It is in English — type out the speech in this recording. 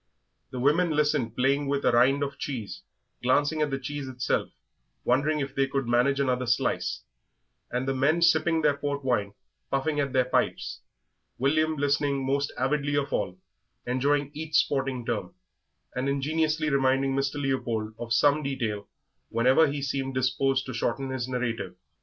The women listened, playing with a rind of cheese, glancing at the cheese itself, wondering if they could manage another slice, and the men sipping their port wine, puffing at their pipes, William listening most avidly of all, enjoying each sporting term, and ingeniously reminding Mr. Leopold of some detail whenever he seemed disposed to shorten his narrative.